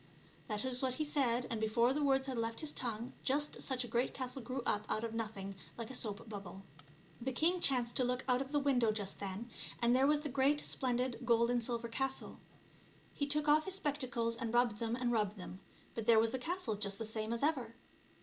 That was what he said, and before the words had left his tongue just such a great castle grew up out of nothing like a soap bubble. 104 ONE GOOD TURN DESERVES ANOTHER. The king chanced to look out of the window just then, and there was the great splendid gold and silver castle. He took off his spectacles and rubbed them and rubbed them, but there was the castle just the same as ever.